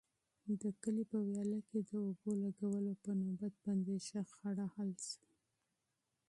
د کلي په ویاله کې د اوبو لګولو په نوبت باندې شخړه حل شوه.